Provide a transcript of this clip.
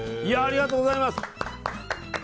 ありがとうございます！